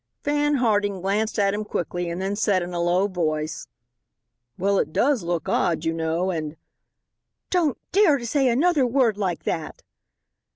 Fan Harding glanced at him quickly and then said in a low voice: "Well, it does look odd, you know, and " "Don't dare to say another word like that!"